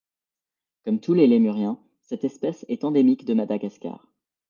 Comme tout les lémuriens, cette espèce est endémique de Madagascar.